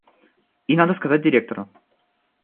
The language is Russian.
И надо сказать директору.